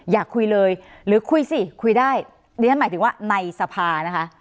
อยากคุยเลยหรือคุยสิคุยได้ดิฉันหมายถึงว่าในสภานะคะ